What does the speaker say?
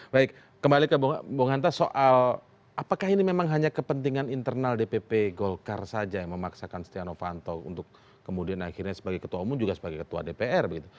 baik kembali ke bung hanta soal apakah ini memang hanya kepentingan internal dpp golkar saja yang memaksakan stiano fanto untuk kemudian akhirnya sebagai ketua umum juga sebagai ketua dpr begitu